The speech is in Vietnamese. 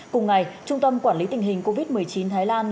cùng ngày trung tâm quản lý tình hình covid một mươi chín thái lan